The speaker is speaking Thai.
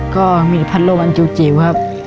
ก็มีภัฐลมอันจิวครับ